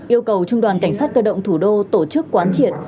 yêu cầu trung đoàn cảnh sát cơ động thủ đô tổ chức quán triệt